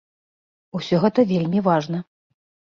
Усё гэта вельмі важна.